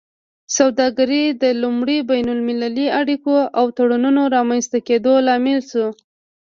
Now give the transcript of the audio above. سوداګري د لومړي بین المللي اړیکو او تړونونو رامینځته کیدو لامل شوه